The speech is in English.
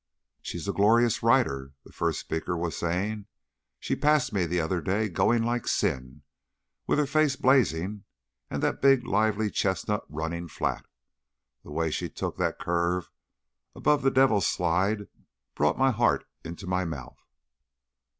"She's a glorious rider," the first speaker was saying. "She passed me the other day, going like sin, with her face blazing and that big, lively chestnut running flat. The way she took that curve above the Devil's Slide brought my heart into my mouth."